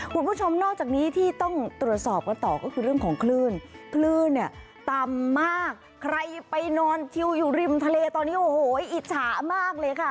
คุณผู้ชมนอกจากนี้ที่ต้องตรวจสอบกันต่อก็คือเรื่องของคลื่นคลื่นเนี่ยต่ำมากใครไปนอนทิวอยู่ริมทะเลตอนนี้โอ้โหอิจฉามากเลยค่ะ